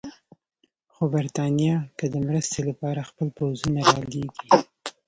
خو برټانیه که د مرستې لپاره خپل پوځونه رالېږي.